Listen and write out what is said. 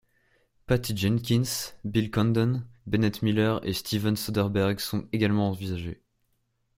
Patty Jenkins, Bill Condon, Bennett Miller et Steven Soderbergh sont également envisagés.